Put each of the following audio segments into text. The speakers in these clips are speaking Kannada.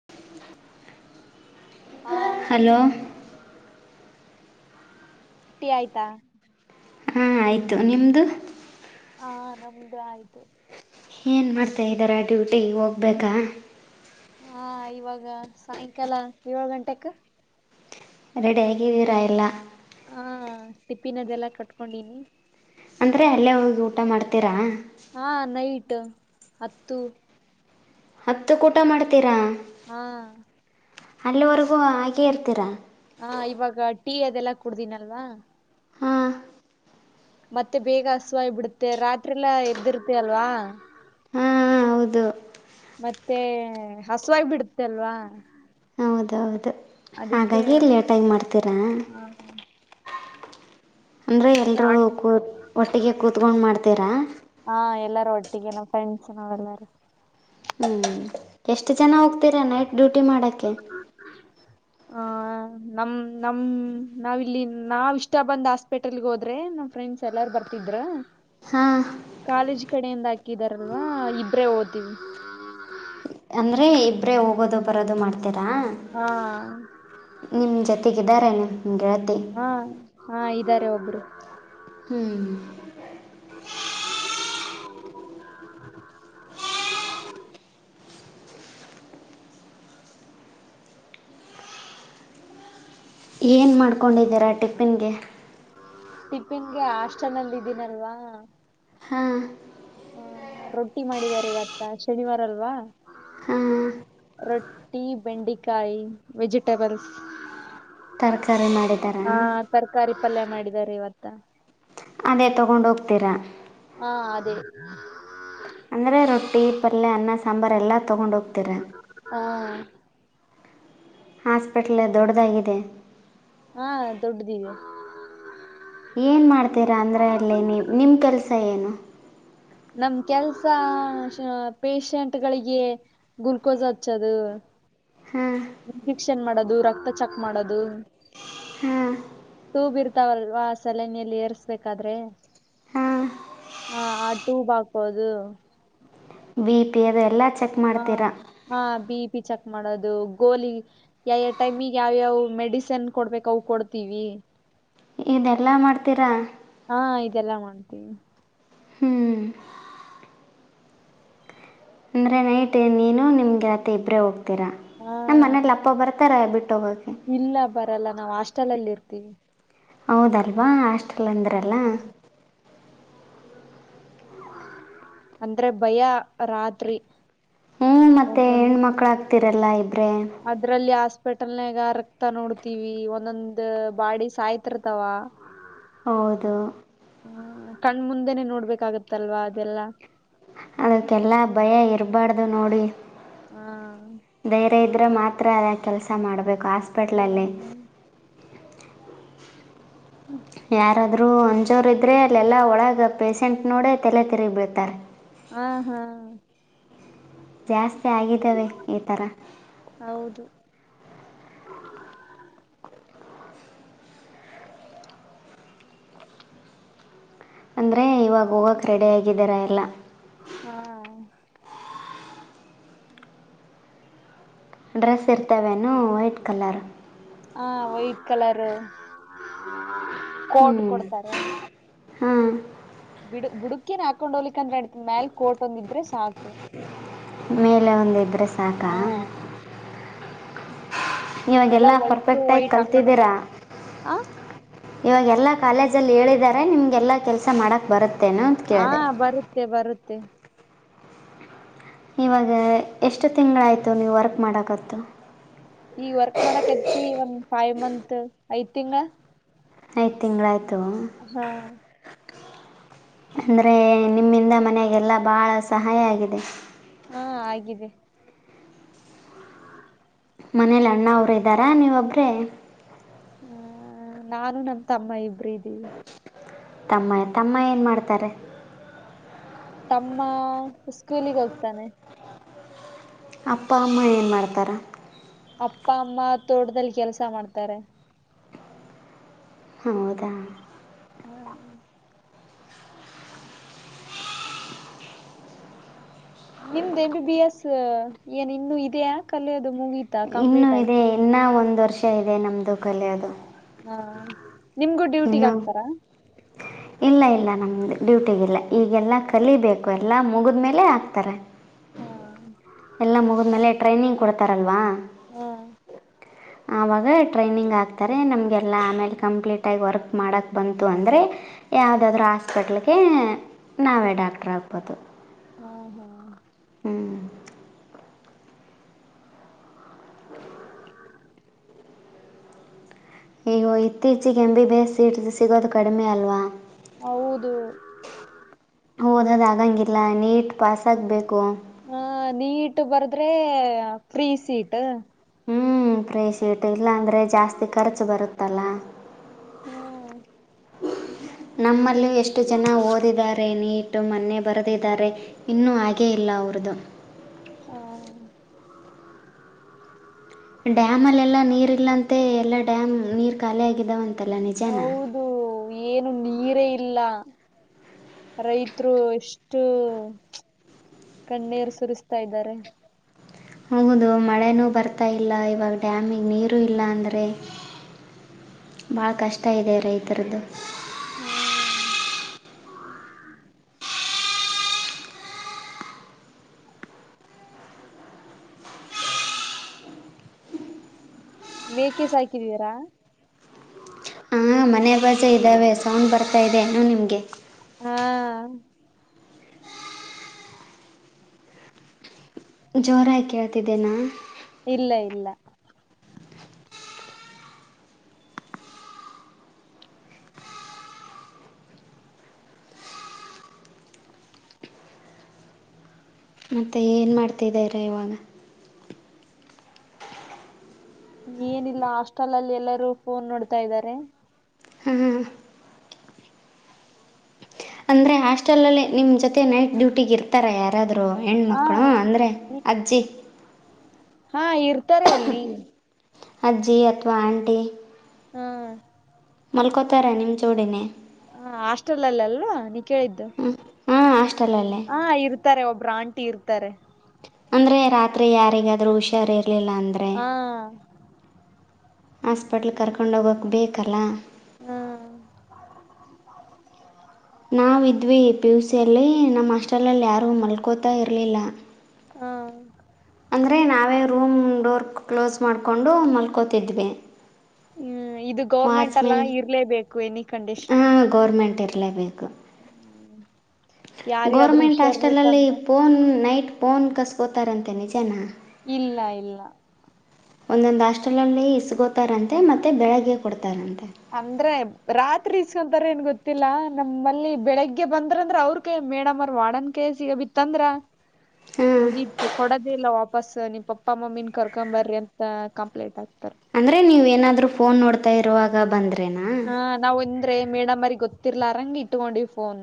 [inaudible] ಹಾ ಹಲೋ ಟೀ ಆಯ್ತಾ ಹಾ ಆಯ್ತು ನಿಮ್ದ ಹಾ ನಮ್ದು ಆಯ್ತು ಏನು ಮಾಡ್ತಾಯ ಇದ್ದಾರೆ ಡ್ಯೂಟಿಗೆ ಹೋಗ್ಬೇಕಾ ಹಾ ಇವಾಗ ಸಾಯಂಕಾಲ ಏಳ್ ಗಂಟೆಕ್ ರೆಡಿಯಾಗಿ ವೀರ ಇಲ್ಲ ಹಾ ಟಿಪ್ಪಿನದೆಲ್ಲಾ ಕಟ್ಕೊಂಡೀನಿ ಅಂದ್ರೆ ಅಲ್ಲೇ ಹೋಗಿ ಊಟ ಮಾಡ್ತೀರಾ ಹಾ ನೈಟ್ ಹತ್ತು ಹತ್ತು ಊಟ ಮಾಡ್ತೀರಾ ಹಾ ಅಲ್ಲಿವರೆಗೂ ಹಾಗೆ ಇರ್ತೀರಾ ಹಾ ಇವಾಗ ಟೀ ಅದೆಲ್ಲ ಕುಡ್ದನಲ್ವಾ ಹಾ ಮತ್ತೆ ಬೇಗ ಹಸಿವಾಗ ಬಿಡುತ್ತೆ ರಾತ್ರಿ ಎಲ್ಲ ಎದ್ದಿರ್ತ ಅಲ್ವಾ ಹಾಂ ಹೌದು ಮತ್ತೆ ಹಸುವಾಗ ಬಿಡುತ್ತಲ್ವಾ ಹೌದೌದು ಹಾಗಾಗಿ ಲೇಟಾಗಿ ಮಾಡ್ತೀರಾ ಹ್ಮ ಅಂದರೆ ಎಲ್ಲರೂ ಹಣ್ಣ್ ಕೂತ್ ಒಟ್ಟಿಗೆ ಕೂತ್ಕೊಂಡು ಮಾಡ್ತೀರಾ ಹಾ ಎಲ್ಲಾರೂ ಒಟ್ಟಿಗೆ ನಮ್ಮ್ ಫ್ರೆಂಡ್ಸ್ ನಾವ್ಲ್ಲಾರೂ ಹ್ಮ್ ಎಷ್ಟು ಜನ ಹೋಗ್ತೀರಾ ನೈಟ್ ಡ್ಯೂಟಿ ಮಾಡಕೇ. ಹಾ. ನಮ ನಮ್ಮ ನಾವಿಲ್ಲಿ ನಾವ ಇಷ್ಟ ಬಂದ ಹಾಸ್ಪೆಟಲ್ಗೆ ಹೋದ್ರೆ ನಮ್ಮ ಫ್ರೆಂಡ್ಸ್. ಎಲ್ಲಾರ್ ಬರ್ತಿದ್ರ. ಹಾ. ಕಾಲೇಜ್ ಕಡೆಯಿಂದ ಹಾಕಿದಾರಲ್ವಾ ಇಬ್ರೇ ಹೊತೀವಿ. ಅಂದರೆ ಇಬ್ಬರೇ ಹೋಗೋದು ಬರೋದು ಮಾಡ್ತೀರಾ. ಹಾ. ನಿಮ್ ಜೊತೆಗಿದ್ದಾರೆೇ ಎನ್ ಗೆಳತಿ. ಹಾ ಹಾ ಇದ್ದಾರೆ ಒಬ್ರು. ಹ್ಮ್್ಮ ಏನು ಮಾಡ್ಕೊಂಡಿದ್ದೀರಾ ಟಿಫಿನ್ಗೆ ಟಿಫಿನ್ಗೆ ಆಸ್ಟನಲ್ಲ ಇದಿದ್ದೀನಲ್ವಾ ಹಾಂ ಹಾ ರೊಟ್ಟಿ ಮಾಡಿದಿದ್ದಾರೆ ಇವತ್ತ ಶನಿವಾರ ಅಲ್ವಾ ಹಾಂ ರೊಟ್ಟಿ ಬೆಂಡಿಕಾಯಿ ವೆಜಿಟಬಲ್ಸ್ ತರಕಾರಿ ಮಾಡಿದಾರಾ ತರ್ಕಾರಿ ಪಲ್ಯ ಮಾಡಿದಿದ್ದಾರೆ ಇವತ್ತ ಅದೇ ತೊಗೊಂಡು ಹೋಗ್ತೀರಾ ಹಾ ಅದೇ. ಅಂದ್ರೆ ರೊಟ್ಟಿ ಪಲ್ಯ ಅನ್ನ ಸಾಂಬಾರ ಎಲ್ಲ ತೊಗೊಂಡ ಹೋಗ್ತಿರ. ಹಾ. ಹಾಸ್ಪಿಟ್ಲ್ ದೊಡ್ಡದಾಗಿದೆ. ಹಾ ದೊಡ್ಡದ ಇದೆ. ಏನ ಮಾಡ್ತೀರಾ ಅಂದರೆ ಅಲ್ಲಿ ನಿಮ್ ನಿಮ್ಮ ಕೆಲಸ ಏನು. ನಮ್ಮ ಕೆಲ್ಸ ಷ-ಪೆಷಂಟ್ ಗಳಿಗೆ. ಗುಲ್ಕೋಸ್ ಹಚ್ಚದು. ಹಾ. ಇಂಫೆಕ್ಷನ್ ಮಾಡೋದು ರಕ್ತ ಚೆಕ್ ಮಾಡೋದು ಹಾಂ ತೂ ಬಿ ಇರ್ತಾವಲ್ವಾ ಸಲನಿಯಲ್ಲಿ ಏರ್ಸ್ಬೇಕಾದ್ರೆ ಹಾಂ ಹ ಆ ಟೂ ಹಾಕೋದ ಬಿ ಪಿ ಅದೆ ಎಲ್ಲ ಚೆಕ್ ಮಾಡ್ತೀರಾ ಹಾ ಬಿ ಪಿ ಚೆಕ್ ಮಾಡೋದು ಗೋಲಿ ಯಾವ ಯಾವ ಟೈಮಿಗೆ ಯಾವ್ಯಾವ್ ಮೆಡಿಸನ್ ಕೊಡ್ಬೇಕ ಅವು ಕೊಡ್ತೀವಿ ಇದೆಲ್ಲ ಮಾಡ್ತೀರಾ? ಹಾ ಇದೆಲ್ಲಾ ಮಾಡ್ತೀವಿ ಹ್ಮ್ ಅಂದರೆ ನೈಟ್ ನೀನು ನಿಮಗೆತ್ತೆ ಇಬ್ಬರೇ ಹೋಗ್ತೀರಾ ಹಾ ನಮ್ಮ ಮನೇಲಿ ಅಪ್ಪ ಬರತ್ತ ತರ ಬಿಟ್ಟು ಹೋಗಕೆ ಇಲ್ಲ ಬರಲ್ಲ ನಾವು ಹಾಸ್ಟೆಲ್ ಅಲ್ಲಿ ಇರ್ತೀವಿ. ಹೌದಲ್ವಾ ಹಾಸ್ಟೆಲ್ ಅಂದ್ರಲ್ಲ ಅಂದ್ರೆ ಭಯ ರಾತ್ರಿ ಹೂ ಮತ್ತೆ ಒಂದೊಂದ್ ಹೆಣು್ಮಕ್ಳುಾಗ್ತಿರಲ್ಲ ಇಬ್ರೇ ಅದ್ರಲ್ಲಿ ಹಾಸ್ಪಿಟಲ್ನಾಗ ರಕ್ತ ನೋಡ್ತಿವಿ ಒಂದೊಂದ್ ಬಾಡಿ ಸಾಯ್ತಿರ್ತಾವ ಹೌದು ಹೂ ಕಣ್ಮಂದೆನೆೇ ನೋಡ್ಬೇಕಾಗತ್ತಲ್ವಾ ಅದೆಲ್ಲಾ ಅದಕ್ಕೆಲ್ಲಾ ಭಯ ಇರಬಾರ್ದು ನೋಡಿ ಹಾ ಧೈರ್ಯ ಇದ್ರೆ ಮಾತ್ರದ ಕೆಲಸ ಮಾಡ್ಬೇಕು, ಹಾಸ್ಪಿಟ್ಲಲ್ಲಿ ಯಾರಾದರೂ ಅಂಜೋರು ಇದ್ರರೆ ಅಲ್ಲೆಲ್ಲ ಒಳಗೆ ಪೇಶಷೆಂಟ್ ನೋಡ ತಲೆ ತಿರುಗಿಬೀಡ್ತಾರೆ. ಹಾ ಹಾ ಜಾಸ್ತಿ ಆಗಿದ್ದಾವೆ ಈ ಥರ ಹೌದು ಅಂದರೆ ಇವಾಗ ಹೋಗೋಕ್ಕೆ ರೆಡಿ ಆಗಿದ್ದೀಾರ ಎಲ್ಲ ಹಾ ಡ್ರೆಸ್ ಇರ್ತವೇ ವೈಟ್ ಕಲರ್ ಹಾ ವೈಟ್ ಕಲರ್ ಇರ್ತವೆ ಕೋರ್ಟ್ ಕೊಡ್ತಾರೆ ಹಾ ಬುಡ್ ಬುಡಿಕೇನು ಅಕೊಂಡು ಹೋಗಲಿಲ ಅಂದ್ರು ನಡೀತದ ಮ್ಯಾಲ ಕೋರ್ಟ್ ಒಂದು ಇದ್ರೆ ಸಾಕು ಮೇಲೆ ಒಂದ ಇದ್ರೆ ಸಾಕ ಹಾ ಎಲ್ಲಾ ಇವಾಗೆಲ್ಲ ವೈಟ್ ಪರ್ಫೆಕ್ಟ್ ಆಗಿ ವೈಟ್ ಹಾಕೊಂಡ್ ಕಲ್ತಿದ್ದೀರಾ? ಆ ಇವಾಗ ಎಲ್ಲ ಕಾಲೇಜಲ್ಲಿ ಹೇಳಿದ್ದಾರೆ ನಿಮ್ಗೆಲ್ಲ ಕೆಲಸ ಮಾಡಕ್ಕೆ ಬರುತ್ತೆ ಹಾ ಬರುತ್ತೆ ಬರುತ್ತೆ ಇವಾಗ ಎಷ್ಟು ತಿಂಗಳಾಯಿತು ನೀವು ವರ್ಕ್ ಮಾಡೋಕತ್ತು ಈ ವರ್ಕ್ ಮಾಡಕ್ತಿತಿ ಒಂದ್ ಫೈವ್ ಮಂತ್ ಐದ್ ತಿಂಗಳ ಐದು ತಿಂಗಳಾಯ್ತು ಹಾ ಅಂದ್ರೆ ನಿಮ್ಮಿಂದ ಮನೆಗೆಲ್ಲಾ ಬಾಳ ಸಹಾಯ ಆಗಿದೆ ಹಾ ಆಗಿದೆ ಮನೇಲಿ ಅಣ್ಣ ಅವರು ಇದ್ದಾರ ನೀವೊಬರೇ ಹ ನಾನು ನನ್ ತಮ್ಮ ಇಬರು ಇದೀವಿ ತಮ್ಮ ತಮ್ಮ ಏನ್ ಮಾಡ್ತಾರೆ ತಮ್ಮ ಸ್ಕೂಲಿಗೆ ಹೋಗ್ತಾನೆ ಅಪ್ಪ ಅಮ್ಮ ಏನು ಮಾಡತಾರ ಅಪ್ಪ ಅಮ್ಮ ತೋಟದಲ್ಲಿ ಕೆಲ್ಸ ಮಾಡ್ತಾರೆ ಹೌದಾ ಹ್ಮ್ ನಿಮ್ದ ಎಂ ಬಿ ಬಿ ಎಸ್ ಏನ್ ಇನ್ನು ಇದೆಯಾ ಕಲಿಯೋದು ಇನ್ನೂ ಕಂಪ್ಲೀಟ್ ಇದೆ ಆಯ್ತಾ ಇನ್ನ ಒಂದು ವರ್ಷ ಇದೆ ನಮ್ದು ಕಲಿಯೋದು ಹಾ ನಿಮಗೂ ಡ್ಯೂಟಿಗ ಇನ್ನೂ ಆಗ್ತಾರಾ [inaudible] ಇಲ್ಲ ಇಲ್ಲ ನಮ್ದು ಡ್ಯೂಟಿಗ ಇಲ್ಲ ಈಗೆಲ್ಲಾ ಕಲಿಬೇಕು ಎಲ್ಲಾ ಮುಗಿದ್ಮೇಲೆ ಹಾಕ್ತಾರೆ ಹ ಹಾ ಎಲ್ಲ ಮುಗದ್ಮೇಲೆ ಟ್ರೈನಿಂಗ್ ಕೊಡ್ತಾರಲ್ವಾ ಹಾ ಆವಾಗ ಟ್ರೈನಿಂಗ್ ಆಕ್ತಾರೆ ನಮ್ಗೆಲ್ಲ ಆಮೇಲ ಕಂಪ್ಲೀಟ್ ಟಾಗಿ ವರ್ಕ್ ಮಾಡೋಕ್ಕ ಬಂತು ಅಂದರೆ ಯಾವದಾದ್ರೂ ಹಾಸ್ಪೆಟ್ಲ್ಗೆ ನಾವೇ ಡಾಕ್ಟ್ರ್ ಆಗಬೋದು ಹ್ಮ್ ಹ್ಮ್ ಹ್ಮ್ ಈಗೋ ಇತ್ತೀಚಿಗೆ M B B S seat ಸಿಗೋದ ಕಡಿಮೆ ಅಲ್ವಾ ಹೌದು ಓದದ ಆಗಂಗಿಲ್ಲ ನೀಟ್ ಪಾಸ್ ಆಗ್ಬೇಕು ಹ ನೀಟ್ ಬರ್ದ್ರೆ ಫ್ರೀ ಸೀಟ್ ಹ್ಮ್ ಪ್ರಿ ಸೀಟ್ ಇಲ್ಲಾಂದ್ರೆ ಜಾಸ್ತಿ ಖರ್ಚು ಬರುತ್ತಲ್ಲ ಹ್ಮ್ ನಮ್ಮಲ್ಲೂ ಎಷ್ಟು ಜನ ಓದಿದ್ದಾರೆ ನೀಟ್ ಮೊನ್ನೆ ಬರದಿದ್ದಾರೆ ಇನ್ನೂ ಹಾಗೇ ಇಲ್ಲ ಅವ್ರದು ಹ್ಮ ಡ್ಯಾಮಲ್ಲ ಎಲ್ಲ ನೀರ್ ಇಲ್ಲಂತೆ ಎಲ್ಲ ಡ್ಯಾಮ್ ನೀರ್ ಖಾಲಿ ಆಗಿದ್ದಾವಂತಲ್ಲ ನಿಜಾನ ಅದು ಏನು ನೀರೇ ಇಲ್ಲ ರೈತರು ಎಷ್ಟು ಕಣ್ಣೀರು ಸುರಿಸ್ತಾ ಇದ್ದಾರೆ ಹೌದು ಮಳೆನೂ ಬರ್ತಾ ಇಲ್ಲ ಇವಾಗ ಡ್ಯಾಮಿಗ ನೀರು ಇಲ್ಲ ಅಂದರೆ ಬಾಳ ಕಷ್ಟ ಇದೆ ರೈತರದ್ದು ಹ್ಮ ಮೇಕೆ ಸಾಕಿದೀರಾ ಹಾ ಮನೆ ಬಾಜು ಇದ್ದಾವೆ ಸೌಂಡ್ ಬರ್ತಾ ಇದೆ ಏನೋ ನಿಮಗೆ ಹಾ ಜೋರಾಗ ಕೇಳ್ತಿದ್ದೇನಾ ಇಲ್ಲ ಇಲ್ಲ ಮತ್ತೆ ಏನ ಮಾಡ್ತಿದ್ದೀರ ಇವಾಗ ಏನಿಲ್ಲ ಹಾಸ್ಟೆಲ್ ಅಲ್ಲಿ ಎಲ್ಲರೂ ಫೋನ್ ನೋಡ್ತಾ ಇದ್ದಾರೆ ಹಾ ಹ ಅಂದರೆ ಹಾಸ್ಟೆಲಲ್ಲಿ ನಿಮ್ಮ ಜೊತೆ ನೈಟ್ ಡ್ಯೂಟಿಗಿರ ಇರತ್ತಾರ ಯಾರಾದ್ರು ಹ ಹೆಣ್ಮಕ್ಳು ಅಂದ್ರೆ ಅಜ್ಜಿ ಹಾ ಇರ್ತಾರೆ ಅಲ್ಲಿ ಅಜ್ಜಿ ಅಥವಾ ಆಂಟಿ ಹ್ಮ್ ಮಲ್ಕೋತಾರಾ ನಿಮ್ಮ ಜೋಡಿನೇ ಹ ಹಾಸ್ಟೆಲ್ಲ ಅಲ್ಲಾ ನೀ ಕೇಳಿದ್ದು ಹಾಂ ಹಾಂ ಹಾಸ್ಟೆಲಲ್ಲೇ ಹ ಇರತ್ತ ಇರ್ತಾರೆ ಒಬ್ಬ್ರ ಆಂಟಿ ಇರ್ತಾರೆ ಅಂದ್ರೆ ರಾತ್ರಿ ಯಾರಿಗಾದ್ರೂ ಹುಷಾರ ಇರ್ಲಿಲ್ಲ ಅಂದ್ರೆ ಹಾ ಹಾಸ್ಪಿಟಲ್ಗೆ ಕರ್ಕೊಂಡು ಹೋಗೋಕೆ ಬೇಕಲ್ಲ ಹ್ಮ್ ನಾವಿದ್ದೀವಿ ಪಿ ಯು ಸಿಯಲ್ಲಿ ನಮ್ಮ ಹಾಸ್ಟೆಲ್ ಅಲ್ಲಿ ಯಾರೂ ಮಲ್ಕೋತಾ ಇರಲಿಲ್ಲ ಹ್ಮ್ ಅಂದರೆ ನಾವೇ ರೂಮ್ ಡೋರ್ ಕ್ಲೋಸ್ ಮಾಡಿಕೊಂಡು ಮಲ್ಕೋತಿದ್ವಿ ಹ್ಮ್ ಇದು ಗೌರ್ಮೆಂಟ್ ಅಲ್ಲ ವಾಚ್ಮೆನ್ ಇರ್ಲೇಬೇಕು ಎನಿ ಕಂಡೀಷನ್ ಹಾಂ ಗೌರ್ಮೆಂಟ್ ಇರಲೇಬೇಕು [inaudible] ಗೋರ್ಮೆಂಟ್ ಹಾಸ್ಟೆಲಲ್ಲಿ ಹುಷಾರ್ಲಿಕ್ಕಂದ್ರೆ ಫೋನ್ ನೈಟ್ ಫೋನ್ ಕಸ್ಕೋತಾರಂತೆ ನಿಜಾನಾ ಇಲ್ಲ ಇಲ್ಲ ಒಂದೊಂದು ಹಾಸ್ಟೆಲಲ್ಲಿ ಈಸ್ಕೊತಾರಂತೆ ಮತ್ತೆ ಬೆಳಗ್ಗೆ ಕೊಡ್ತಾರಂತೆ ಅಂದ್ರೆ ರಾತ್ರಿ ಇಸ್ಕೊಂತಾರ ಏನ್ ಗೊತ್ತಿಲ್ಲ ನಮ್ಮಲ್ಲಿ ಬೆಳಿಗ್ಗೆ ಬಂದ್ರಂದ್ರೆ ಅವ್ರು ಮೇಡಮ್ರ್ ವಾಡನ್ ಕೈಗೆಸಿಗ ಬಿತ್ತಂದ್ರ ಹಾಂ ಮುಗೀತು ಕೊಡೋದೇ ಇಲ್ಲಾ ವಾಪಾಸ್ ವಪುಸ್ ನಿಮ್ಮ ಪಪ್ಪಾ ಮಮ್ಮಿನ್ ಕರ್ಕೊಂಬರ್ರಿ ಅಂತ ಕಂಪ್ಲೇಂಟ್ ಆಗ್ತಾರ ಅಂದ್ರರೆ ನೀವ ಏನಾದರೂ ಫೋನ್ ನೋಡ್ತಾ ಇರುವಾಗ ಬಂದ್ರೇನಾ ನಾವು ಇಂದ್ರೆ ಮೇಡಮರಿ ಗೊತ್ತಿರ್ಲರಂಗಗೆ ಇಟ್ಕೊಂಡಿದೀವಿ ಫೋನ್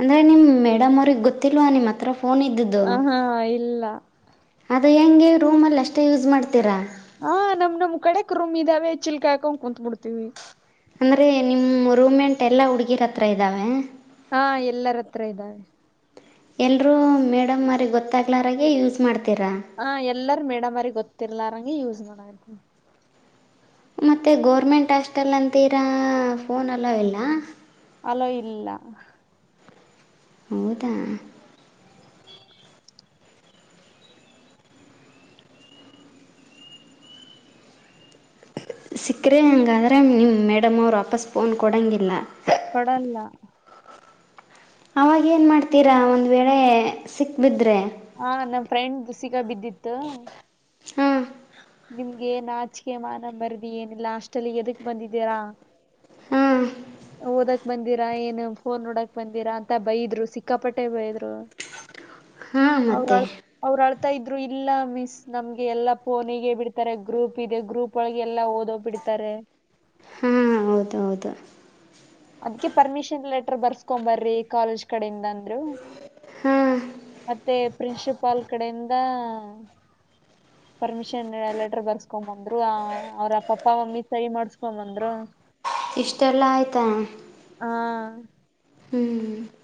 ಅಂದ್ರೆ ನಿಮ್ಮ ಮೇಡ್ ಅವ್ರಿಗೆ ಗೊತ್ತಿಲ್ ನಿಮ್ಮ ಹತ್ರ ಫೋನ್ ಇದ್ದು ಹ ಹಾ ಇಲ್ಲ ಅದು ಹೆಂಗೆ ರೂಮಲ್ಲಿ ಅಷ್ಟೇ ಯೂಸ್ ಮಾಡ್ತೀರಾ ಹಾ ನಮ್ ನಮ್ ಕಡೆಕ್ ರೂಮ್ ಇದಾವೆ ಚಿಲ್ಕಾಯ ಹಾಕೊಂಡ್ ಕುತ್ ಬಿಡ್ತಿವಿ ಅಂದ್ರೆ ನಿಮ್ಮ್ ರೂಮೆಂಟ್ ಎಲ್ಲಾ ಹುಡ್ಗಿರ ಹತ್ರ ಇದ್ದಾವೆ ಹಾ ಎಲ್ಲರ ಹತ್ರ ಇದ್ದಾವೆ ಎಲ್ಲರೂ ಮೇಡಮ್ ಅವ್ರಿಗೆ ಗೊತ್ತಾಗಲಾರದೆ ಯೂಸ್ ಮಾಡ್ತೀರಾ ಹ ಎಲ್ಲಾರ ಮೇಡಮ್ರಿ ಗೊತ್ತಿಲಾರಂಗೆ ಯೂಸ್ ಮಾಡ ಮತ್ತೆ ಗೌರ್ಮೆಂಟ್ ಹಾಸ್ಟೆಲ್ ಅಂತಿರೋ ಫೋನ್ ಆಲೋ ಇಲ್ಲ ಅಲೋ ಇಲ್ಲ ಹೌದಾ ಸಿಕ್ಕರೆೆ ಹಂಗಾದ್ರೆ ನಿಮ್ಮ ಮೇಡಮ್ ಅವ್ರು ವಾಪಸ್ ಫೋನ್ ಕೊಡೋಂಗಿಲ್ಲ ಕೊಡಲ್ಲ ಆವಾಗೇಏನು ಮಾಡ್ತೀರಾ ಒಂದು ವೇಳೆ ಸಿಕ್ಕಿಬಿದ್ದರೆ ಹಾ ನಮ್ ಫ್ರೆಂಡ್ ಸಿಗಬಿದ್ದಿತ್ತು ಹಾಂ ನಿಮ್ಗೆ ಏನ್ ನಾಚಿಕೆ ಮಾನ ಮರಿಯಾದಿಏನಿಲ್ಲ ಹಾಸ್ಟೆಲ್ಗೆ ಎದಕ್ ಬಂದಿದ್ದೀರಾ ಹಾಂ ಓದಕ್ ಬಂದಿರಾ ಏನ್ ಫೋನ್ ನೋಡಕ್ ಬಂದಿರಾ ಅಂತ ಬೈದ್ರು ಸಿಕ್ಕಾಪಟ್ಟೆ ಬೈದ್ರು [inaudible] ಅವ್ರ ಮತ್ತೆ ಅವ್ ಅಳ್ತಾ ಇದ್ರು ಇಲ್ಲ ಮಿಸ್ ನಮ್ಗೆ ಎಲ್ಲಾ ಫೋನಿಗೆ ಬಿಡ್ತಾರೆ ಗ್ರೂಪ್ ಇದೆ ಗ್ರೂಪ್ ಒಳಗೆ ಎಲ್ಲಾ ಓದೋಕೆ ಬಿಡ್ತಾರೆ ಹಾ ಹೌದು ಹೌದು ಅದ್ಕ ಪರ್ಮಿಷನ್ ಲೆಟರ್ ಬರ್ಸ್ಕೊ ಬರ್ರಿ ಕಾಲೇಜ್ ಕಡೆಯಿಂದ ಅಂದ್ರು ಹ್ಮ್ ಮತ್ತೆ ಪ್ರಿನ್ಸಿಪಾಲ್ ಕಡೆಯಿಂದ [inaudible] ಪರ್ಮಿಷನ್ ಲೆಟರ್ ಬರ್ಸ್ಕೊಂಡ್ ಬಂದ್ರು ಅವ್ರ ಪಪ್ಪ ಮಮ್ಮಿ ಸರಿ ಮಾಡ್ಸ್ಕೊ್ ಬಂದ್ರು ಇಷ್ಟೆಲ್ಲ ಆಯ್ತ.... ಹಾ..... ಹ್ಮ್....